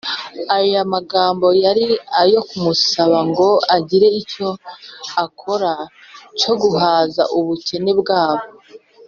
” Aya magambo yari ayo kumusaba ngo agire icyo abakorera cyo guhaza ubukene bwabo